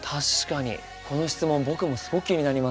この質問僕もすごく気になります。